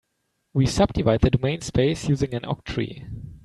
We subdivide the domain space using an octree.